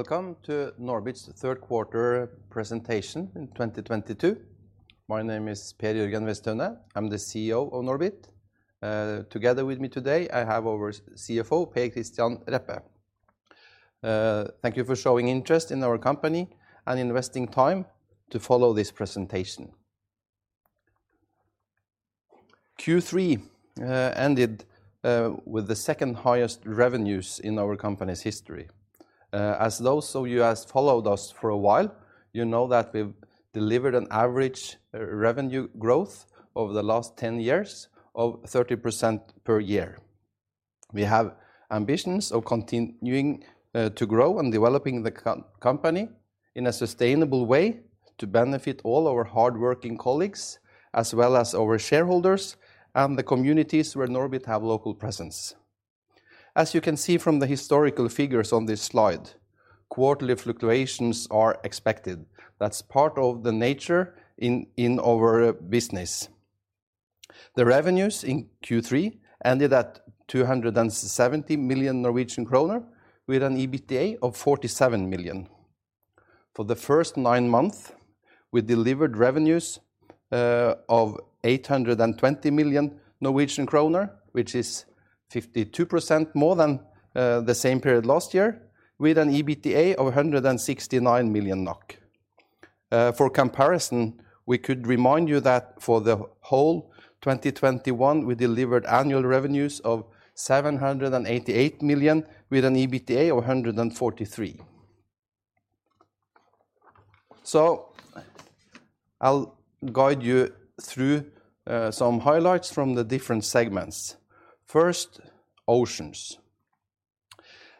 Welcome to NORBIT's third quarter presentation in 2022. My name is Per Jørgen Weisethaunet. I'm the CEO of NORBIT. Together with me today, I have our CFO, Per Kristian Reppe. Thank you for showing interest in our company and investing time to follow this presentation. Q3 ended with the second highest revenues in our company's history. As those of you has followed us for a while, you know that we've delivered an average revenue growth over the last 10 years of 30% per year. We have ambitions of continuing to grow and developing the company in a sustainable way to benefit all our hardworking colleagues as well as our shareholders and the communities where NORBIT have local presence. As you can see from the historical figures on this slide, quarterly fluctuations are expected. That's part of the nature in our business. The revenues in Q3 ended at 270 million Norwegian kroner with an EBITDA of 47 million. For the first nine months, we delivered revenues of 820 million Norwegian kroner, which is 52% more than the same period last year with an EBITDA of 169 million NOK. For comparison, we could remind you that for the whole 2021, we delivered annual revenues of 788 million with an EBITDA of 143 million. I'll guide you through some highlights from the different segments. First, Oceans.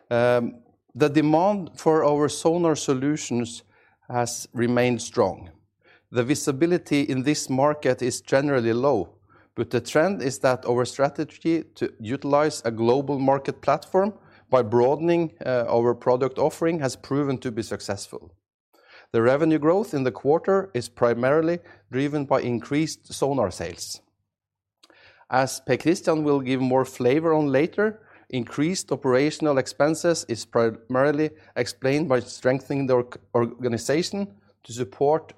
The demand for our sonar solutions has remained strong. The visibility in this market is generally low, but the trend is that our strategy to utilize a global market platform by broadening our product offering has proven to be successful. The revenue growth in the quarter is primarily driven by increased sonar sales. As Per Kristian will give more flavor on later, increased operational expenses is primarily explained by strengthening the organization to support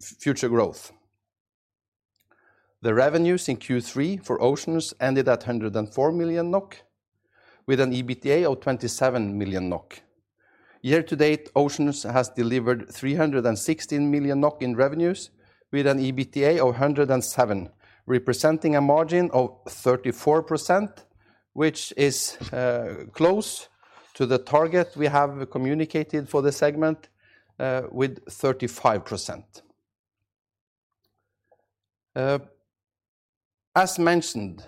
future growth. The revenues in Q3 for Oceans ended at 104 million NOK with an EBITDA of 27 million NOK. Year to date, Oceans has delivered 316 million NOK in revenues with an EBITDA of 107 million, representing a margin of 34%, which is close to the target we have communicated for the segment with 35%. As mentioned,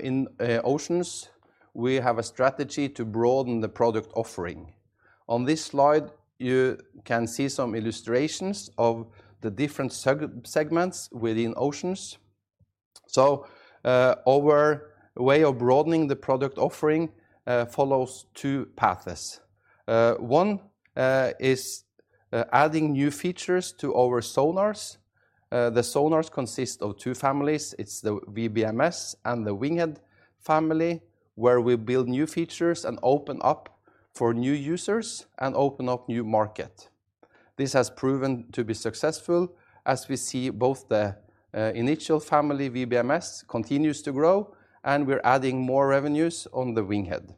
in Oceans, we have a strategy to broaden the product offering. On this slide, you can see some illustrations of the different segments within Oceans. Our way of broadening the product offering follows two paths. One is adding new features to our sonars. The sonars consist of two families. It's the WBMS and the WINGHEAD family, where we build new features and open up for new users and open up new market. This has proven to be successful, as we see both the initial family, WBMS, continues to grow, and we're adding more revenues on the WINGHEAD.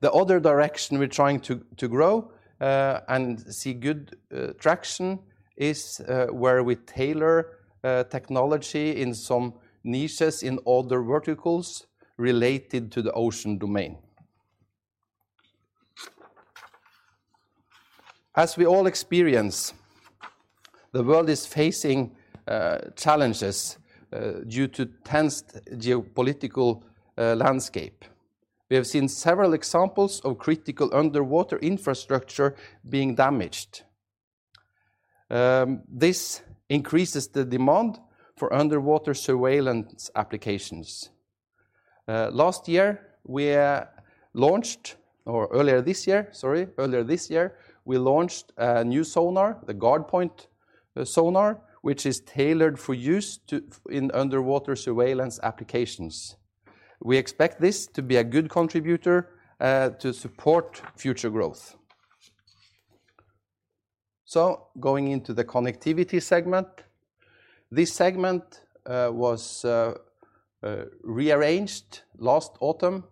The other direction we're trying to grow and see good traction is where we tailor technology in some niches in other verticals related to the ocean domain. As we all experience, the world is facing challenges due to tense geopolitical landscape. We have seen several examples of critical underwater infrastructure being damaged. This increases the demand for underwater surveillance applications. Earlier this year, we launched a new sonar, the GuardPoint sonar, which is tailored for use in underwater surveillance applications. We expect this to be a good contributor to support future growth. Going into the Connectivity segment. This segment was rearranged last autumn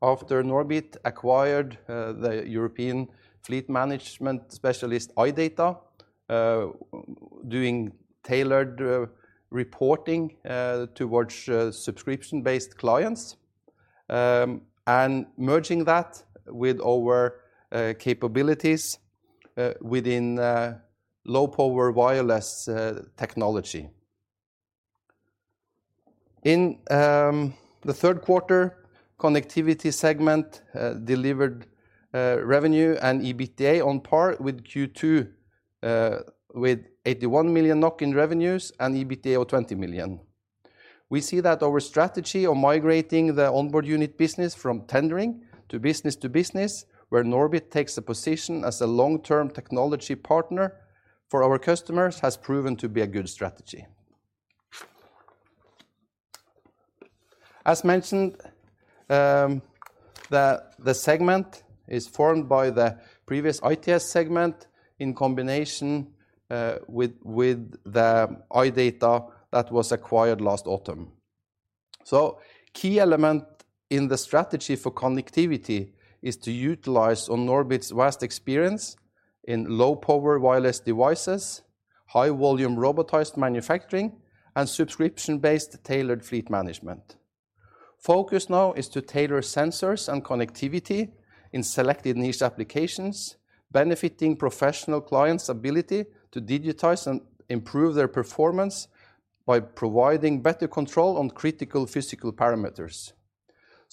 after NORBIT acquired the European fleet management specialist, iData, doing tailored reporting towards subscription-based clients, and merging that with our capabilities within low-power wireless technology. In the third quarter, Connectivity segment delivered revenue and EBITDA on par with Q2, with 81 million NOK in revenues and EBITDA of 20 million. We see that our strategy of migrating the onboard unit business from tendering to business to business where NORBIT takes a position as a long-term technology partner for our customers has proven to be a good strategy. As mentioned, the segment is formed by the previous ITS segment in combination with the iData that was acquired last autumn. Key element in the strategy for Connectivity is to utilize NORBIT's vast experience in low power wireless devices, high volume robotized manufacturing and subscription-based tailored fleet management. Focus now is to tailor sensors and connectivity in selected niche applications, benefiting professional clients' ability to digitize and improve their performance by providing better control on critical physical parameters.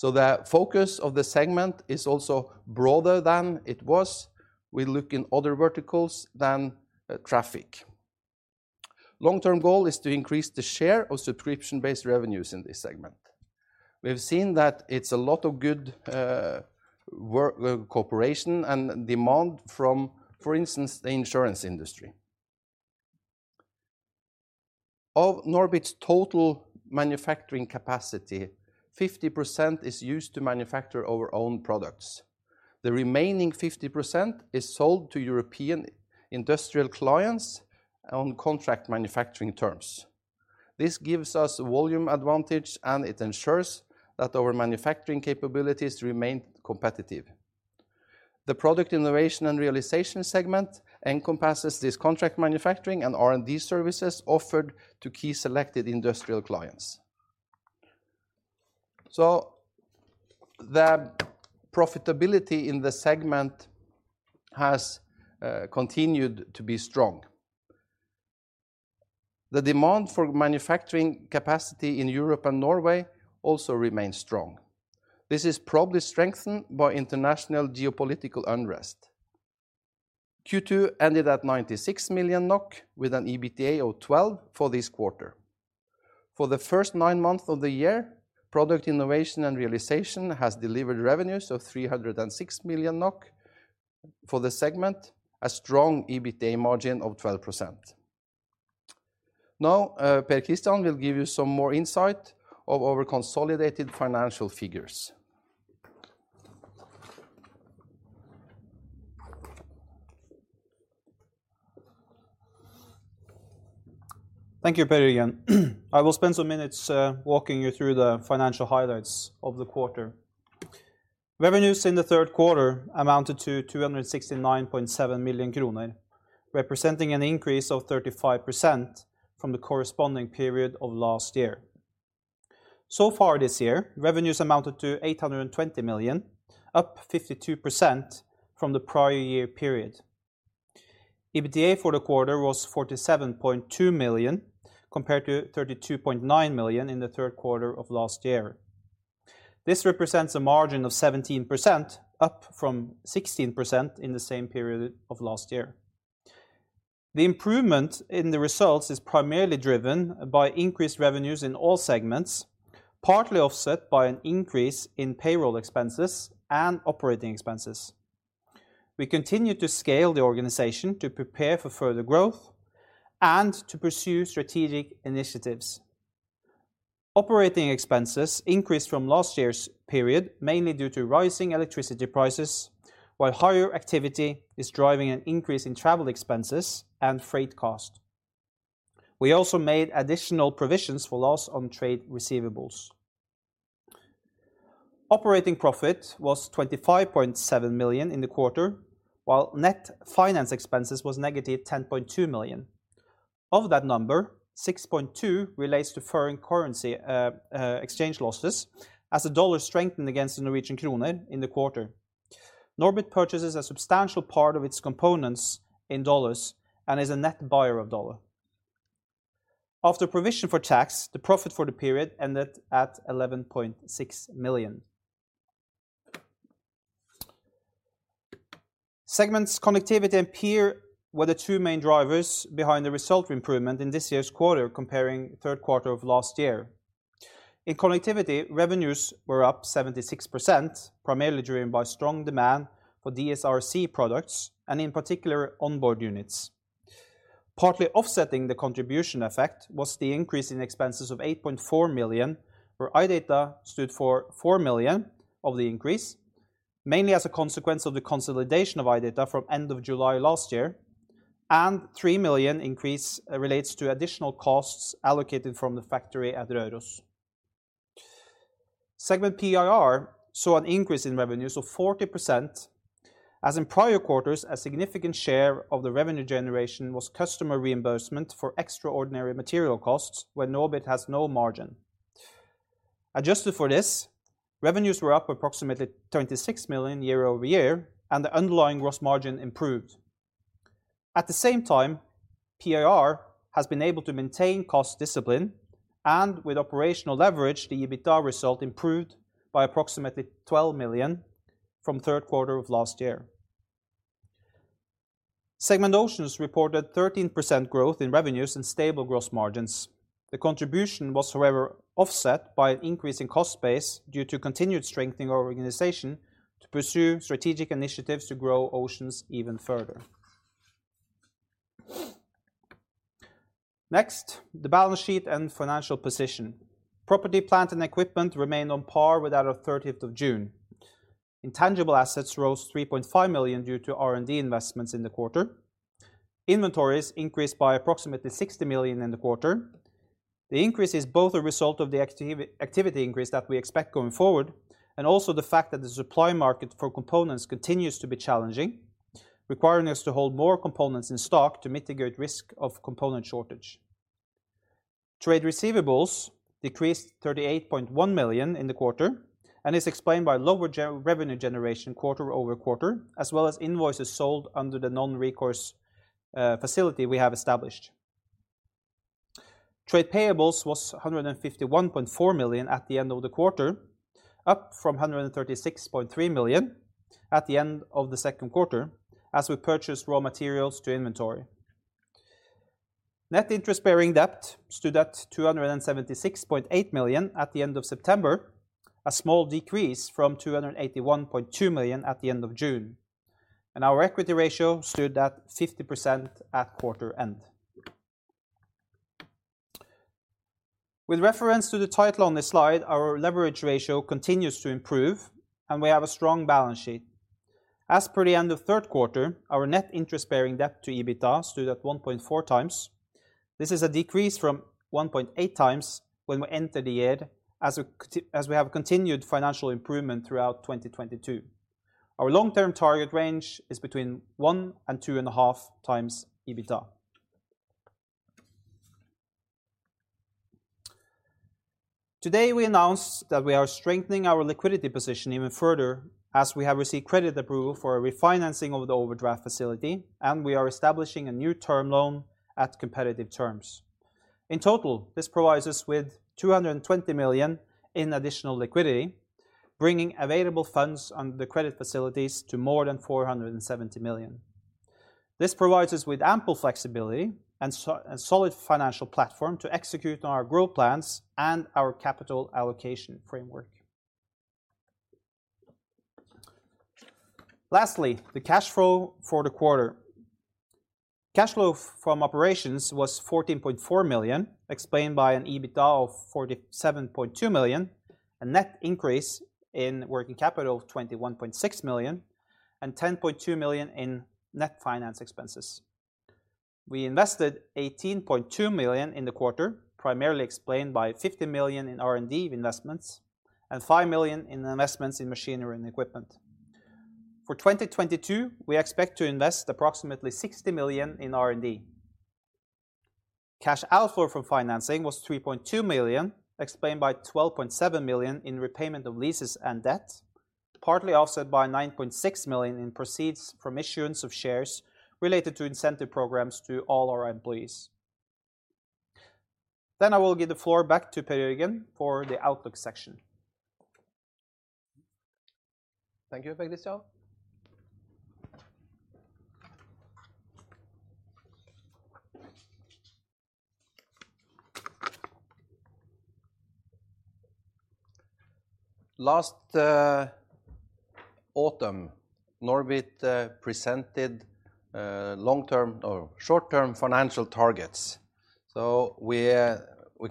The focus of the segment is also broader than it was. We look in other verticals than traffic. Long-term goal is to increase the share of subscription-based revenues in this segment. We have seen that it's a lot of good work cooperation and demand from, for instance, the insurance industry. Of NORBIT's total manufacturing capacity, 50% is used to manufacture our own products. The remaining 50% is sold to European industrial clients on contract manufacturing terms. This gives us volume advantage, and it ensures that our manufacturing capabilities remain competitive. The Product Innovation and Realization segment encompasses this contract manufacturing and R&D services offered to key selected industrial clients. The profitability in the segment has continued to be strong. The demand for manufacturing capacity in Europe and Norway also remains strong. This is probably strengthened by international geopolitical unrest. Q2 ended at 96 million NOK with an EBITDA of 12 million for this quarter. For the first nine months of the year, Product Innovation & Realization has delivered revenues of 306 million NOK for the segment, a strong EBITDA margin of 12%. Now, Per Kristian will give you some more insight of our consolidated financial figures. Thank you, Per Jørgen. I will spend some minutes, walking you through the financial highlights of the quarter. Revenues in the third quarter amounted to 269.7 million kroner, representing an increase of 35% from the corresponding period of last year. So far this year, revenues amounted to 820 million, up 52% from the prior year period. EBITDA for the quarter was 47.2 million, compared to 32.9 million in the third quarter of last year. This represents a margin of 17%, up from 16% in the same period of last year. The improvement in the results is primarily driven by increased revenues in all segments, partly offset by an increase in payroll expenses and operating expenses. We continue to scale the organization to prepare for further growth and to pursue strategic initiatives. Operating expenses increased from last year's period, mainly due to rising electricity prices, while higher activity is driving an increase in travel expenses and freight cost. We also made additional provisions for loss on trade receivables. Operating profit was 25.7 million in the quarter, while net finance expenses was -10.2 million. Of that number, 6.2 million relates to foreign currency exchange losses as the dollar strengthened against the Norwegian krone in the quarter. NORBIT purchases a substantial part of its components in dollars and is a net buyer of dollar. After provision for tax, the profit for the period ended at 11.6 million. Segments Connectivity and PIR were the two main drivers behind the result improvement in this year's quarter comparing third quarter of last year. In Connectivity, revenues were up 76%, primarily driven by strong demand for DSRC products and in particular onboard units. Partly offsetting the contribution effect was the increase in expenses of 8.4 million, where iData stood for 4 million of the increase, mainly as a consequence of the consolidation of iData from end of July last year, and 3 million increase relates to additional costs allocated from the factory at Røros. Segment PIR saw an increase in revenues of 40%. As in prior quarters, a significant share of the revenue generation was customer reimbursement for extraordinary material costs where NORBIT has no margin. Adjusted for this, revenues were up approximately 26 million year-over-year and the underlying gross margin improved. At the same time, PIR has been able to maintain cost discipline and with operational leverage, the EBITDA result improved by approximately 12 million from third quarter of last year. Oceans segment reported 13% growth in revenues and stable gross margins. The contribution was however offset by an increase in cost base due to continued strengthening our organization to pursue strategic initiatives to grow Oceans even further. Next, the balance sheet and financial position. Property plant and equipment remained on par with that of thirtieth of June. Intangible assets rose 3.5 million due to R&D investments in the quarter. Inventories increased by approximately 60 million in the quarter. The increase is both a result of the activity increase that we expect going forward, and also the fact that the supply market for components continues to be challenging, requiring us to hold more components in stock to mitigate risk of component shortage. Trade receivables decreased 38.1 million in the quarter and is explained by lower revenue generation quarter-over-quarter, as well as invoices sold under the non-recourse facility we have established. Trade payables was 151.4 million at the end of the quarter, up from 136.3 million at the end of the second quarter, as we purchased raw materials to inventory. Net interest-bearing debt stood at 276.8 million at the end of September, a small decrease from 281.2 million at the end of June. Our equity ratio stood at 50% at quarter end. With reference to the title on this slide, our leverage ratio continues to improve and we have a strong balance sheet. As per the end of third quarter, our net interest-bearing debt to EBITDA stood at 1.4x. This is a decrease from 1.8x when we entered the year as we have continued financial improvement throughout 2022. Our long-term target range is between 1 and 2.5x EBITDA. Today, we announced that we are strengthening our liquidity position even further as we have received credit approval for a refinancing of the overdraft facility, and we are establishing a new term loan at competitive terms. In total, this provides us with 220 million in additional liquidity, bringing available funds under the credit facilities to more than 470 million. This provides us with ample flexibility and solid financial platform to execute on our growth plans and our capital allocation framework. Lastly, the cash flow for the quarter. Cash flow from operations was 14.4 million, explained by an EBITDA of 47.2 million, a net increase in working capital of 21.6 million, and 10.2 million in net finance expenses. We invested 18.2 million in the quarter, primarily explained by 50 million in R&D investments and 5 million in investments in machinery and equipment. For 2022, we expect to invest approximately 60 million in R&D. Cash outflow from financing was 3.2 million, explained by 12.7 million in repayment of leases and debt, partly offset by 9.6 million in proceeds from issuance of shares related to incentive programs to all our employees. I will give the floor back to Per Jørgen Weisethaunet for the outlook section. Thank you, Per Kristian Last autumn, NORBIT presented long-term or short-term financial targets. We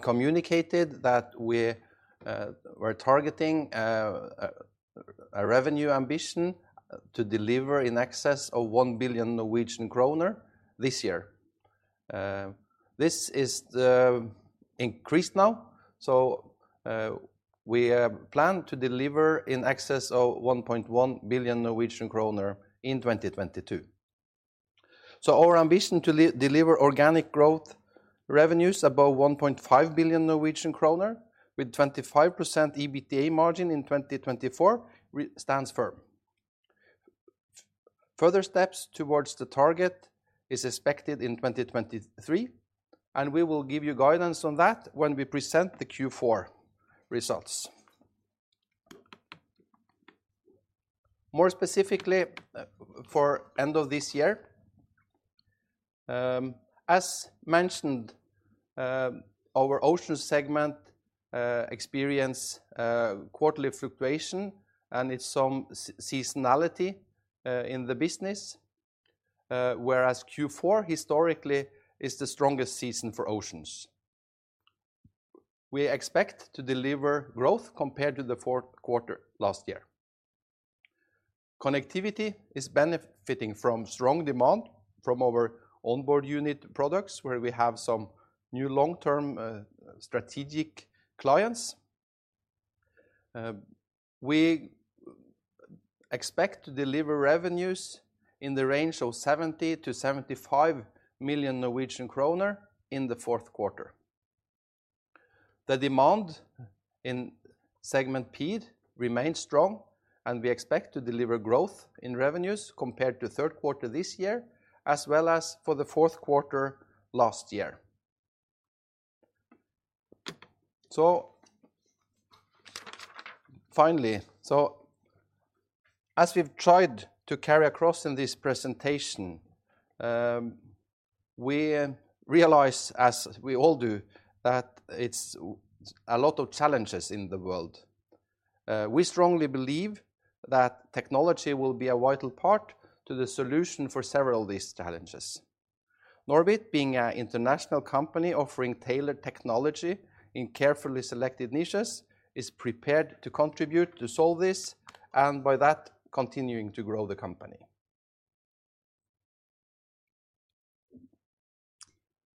communicated that we're targeting a revenue ambition to deliver in excess of 1 billion Norwegian kroner this year. This is the increase now, so we plan to deliver in excess of 1.1 billion Norwegian kroner in 2022. Our ambition to deliver organic growth revenues above 1.5 billion Norwegian kroner with 25% EBITDA margin in 2024 stands firm. Further steps towards the target is expected in 2023, and we will give you guidance on that when we present the Q4 results. More specifically, for end of this year, as mentioned, our Oceans segment experiences quarterly fluctuation and it's some seasonality in the business, whereas Q4 historically is the strongest season for Oceans. We expect to deliver growth compared to the fourth quarter last year. Connectivity is benefiting from strong demand from our onboard unit products, where we have some new long-term strategic clients. We expect to deliver revenues in the range of 70 million-75 million Norwegian kroner in the fourth quarter. The demand in segment PIR remains strong, and we expect to deliver growth in revenues compared to third quarter this year as well as for the fourth quarter last year. Finally, as we've tried to carry across in this presentation, we realize, as we all do, that it's a lot of challenges in the world. We strongly believe that technology will be a vital part to the solution for several of these challenges. NORBIT, being an international company offering tailored technology in carefully selected niches, is prepared to contribute to solve this, and by that, continuing to grow the company.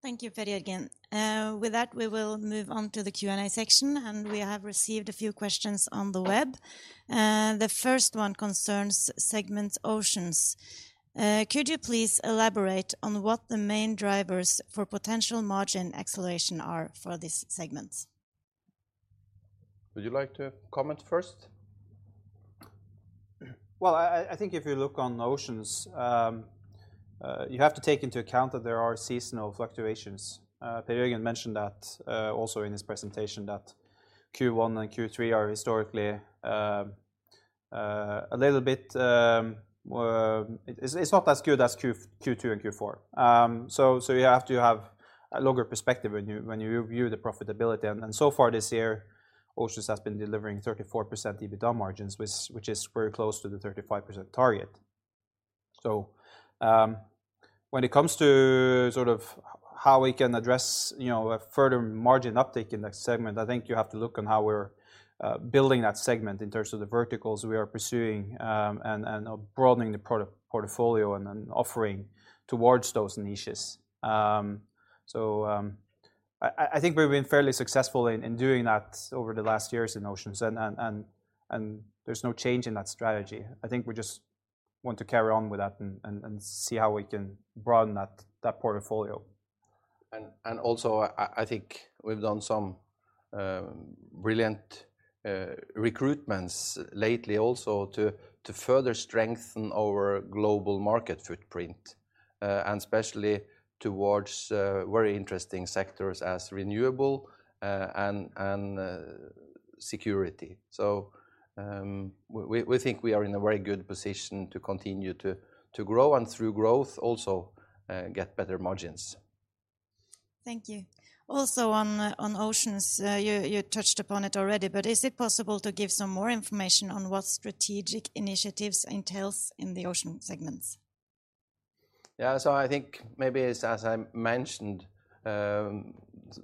Thank you, Per Jørgen. With that, we will move on to the Q&A section, and we have received a few questions on the web. The first one concerns segment Oceans. Could you please elaborate on what the main drivers for potential margin acceleration are for this segment? Would you like to comment first? Well, I think if you look on Oceans, you have to take into account that there are seasonal fluctuations. Per Jørgen mentioned that also in his presentation that Q1 and Q3 are historically a little bit. It's not as good as Q2 and Q4. So you have to have a longer perspective when you view the profitability. So far this year, Oceans has been delivering 34% EBITDA margins, which is very close to the 35% target. When it comes to how we can address, you know, a further margin uptick in that segment, I think you have to look on how we're building that segment in terms of the verticals we are pursuing and broadening the portfolio and then offering towards those niches. I think we've been fairly successful in doing that over the last years in Oceans and there's no change in that strategy. I think we just want to carry on with that and see how we can broaden that portfolio. I think we've done some brilliant recruitments lately also to further strengthen our global market footprint, and especially towards very interesting sectors such as renewable and security. We think we are in a very good position to continue to grow, and through growth also get better margins. Thank you. Also on Oceans, you touched upon it already, but is it possible to give some more information on what strategic initiatives entails in the Oceans segments? Yeah. I think maybe it's as I mentioned,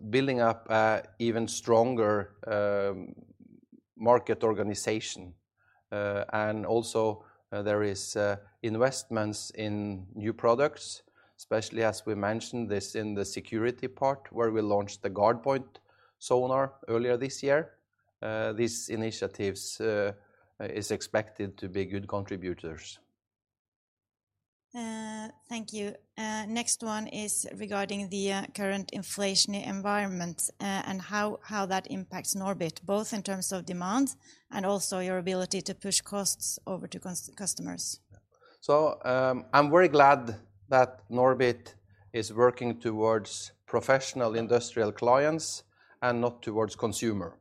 building up an even stronger market organization. Also there is investments in new products, especially as we mentioned this in the security part, where we launched the GuardPoint sonar earlier this year. These initiatives is expected to be good contributors. Thank you. Next one is regarding the current inflationary environment and how that impacts NORBIT, both in terms of demand and also your ability to push costs over to customers. I'm very glad that NORBIT is working towards professional industrial clients and not towards consumer.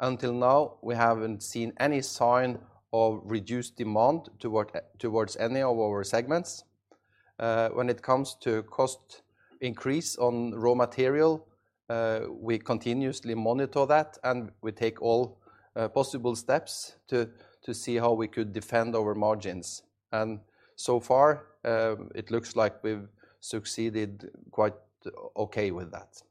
Until now, we haven't seen any sign of reduced demand towards any of our segments. When it comes to cost increase on raw material, we continuously monitor that and we take all possible steps to see how we could defend our margins. So far, it looks like we've succeeded quite okay with that.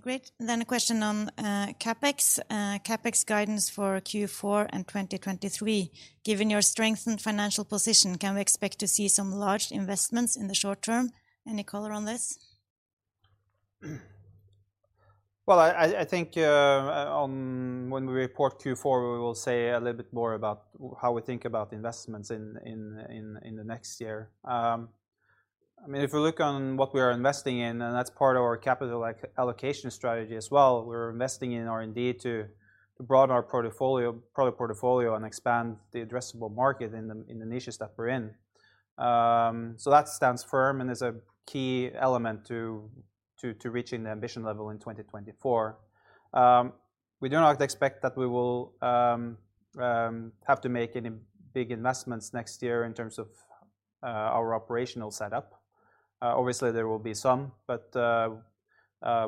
Great. A question on CapEx. CapEx guidance for Q4 and 2023. Given your strengthened financial position, can we expect to see some large investments in the short term? Any color on this? Well, I think when we report Q4, we will say a little bit more about how we think about investments in the next year. I mean, if we look on what we are investing in, and that's part of our capital allocation strategy as well, we're investing in R&D to broaden our portfolio, product portfolio and expand the addressable market in the niches that we're in. That stands firm and is a key element to reaching the ambition level in 2024. We do not expect that we will have to make any big investments next year in terms of our operational setup. Obviously there will be some, but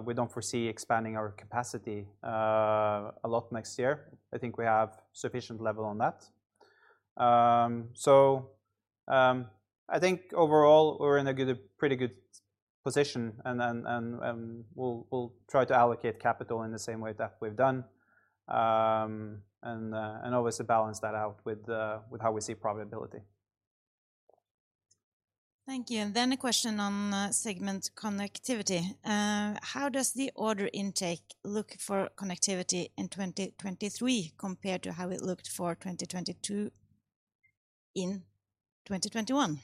we don't foresee expanding our capacity a lot next year. I think we have sufficient level on that. I think overall we're in a good, pretty good position and then we'll try to allocate capital in the same way that we've done and always balance that out with how we see profitability. Thank you. A question on segment Connectivity. How does the order intake look for Connectivity in 2023 compared to how it looked for 2022 in 2021?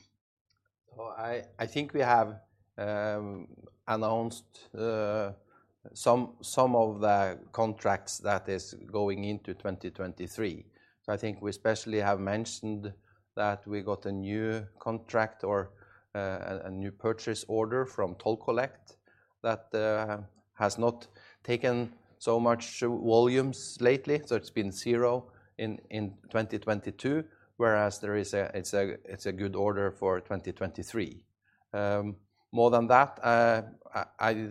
Well, I think we have announced some of the contracts that is going into 2023. I think we especially have mentioned that we got a new contract or a new purchase order from Toll Collect that has not taken so much volumes lately. It's been zero in 2022, whereas it's a good order for 2023. More than that, I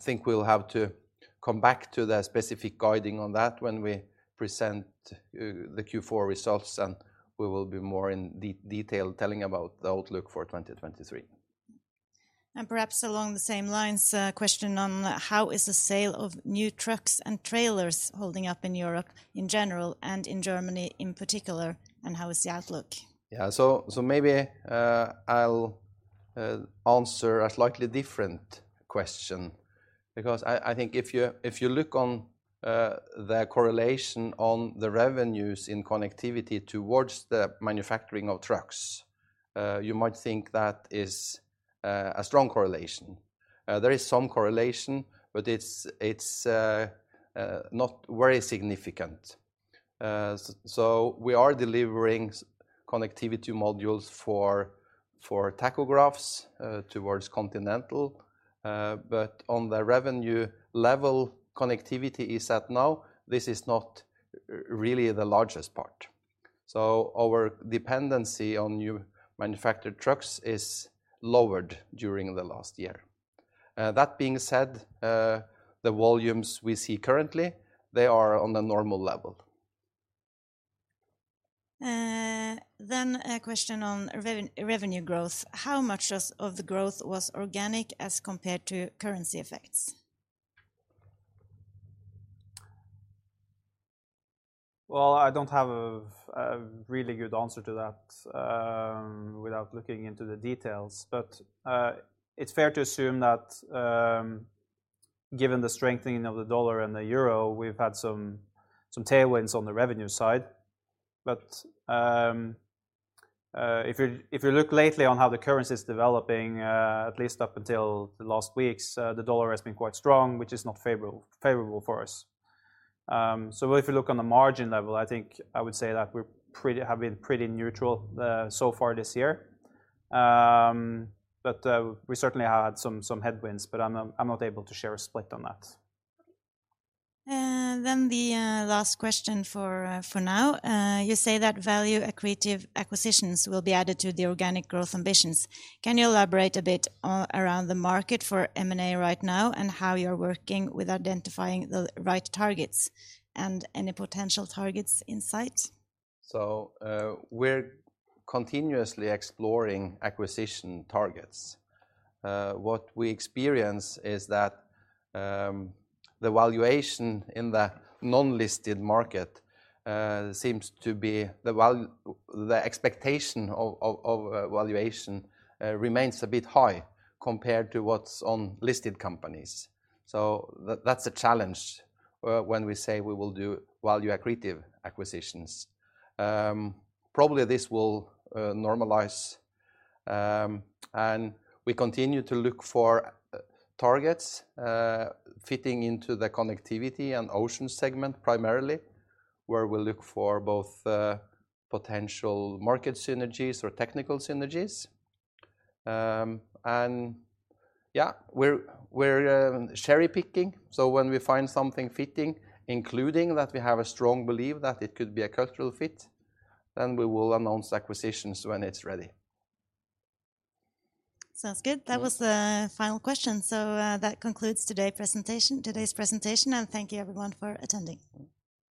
think we'll have to come back to the specific guidance on that when we present the Q4 results, and we will be more in detail telling about the outlook for 2023. Perhaps along the same lines, a question on how is the sale of new trucks and trailers holding up in Europe in general and in Germany in particular, and how is the outlook? Maybe I'll answer a slightly different question because I think if you look on the correlation on the revenues in Connectivity towards the manufacturing of trucks, you might think that is a strong correlation. There is some correlation, but it's not very significant. So we are delivering DSRC connectivity modules for tachographs towards Continental. But on the revenue level, Connectivity, at now, this is not really the largest part. Our dependency on new manufactured trucks is lowered during the last year. That being said, the volumes we see currently, they are on a normal level. A question on revenue growth. How much of the growth was organic as compared to currency effects? I don't have a really good answer to that, without looking into the details. It's fair to assume that, given the strengthening of the dollar and the euro, we've had some tailwinds on the revenue side. If you look lately on how the currency is developing, at least up until the last weeks, the dollar has been quite strong, which is not favorable for us. If you look on the margin level, I think I would say that we have been pretty neutral so far this year. We certainly had some headwinds, but I'm not able to share a split on that. Okay. The last question for now. You say that value accretive acquisitions will be added to the organic growth ambitions. Can you elaborate a bit around the market for M&A right now and how you're working with identifying the right targets and any potential targets in sight? We're continuously exploring acquisition targets. What we experience is that the valuation in the non-listed market, the expectation of valuation, remains a bit high compared to what's in listed companies. That's a challenge when we say we will do value-accretive acquisitions. Probably this will normalize. We continue to look for targets fitting into the Connectivity and Oceans segment, primarily, where we look for both potential market synergies or technical synergies. We're cherry-picking, so when we find something fitting, including that we have a strong belief that it could be a cultural fit, then we will announce acquisitions when it's ready. Sounds good. That was the final question. That concludes today's presentation, and thank you everyone for attending.